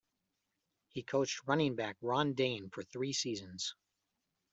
He coached running back Ron Dayne for three seasons.